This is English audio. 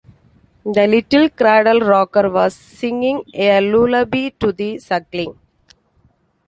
The little cradle-rocker was singing a lullaby to the suckling.